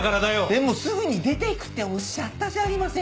でもすぐに出ていくっておっしゃったじゃありませんか。